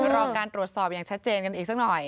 รอการตรวจสอบอย่างชัดเจนกันอีกสักหน่อย